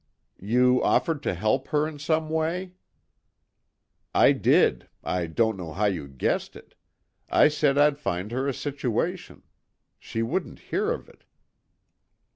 "You offered to help her in some way?" "I did; I don't know how you guessed it. I said I'd find her a situation. She wouldn't hear of it."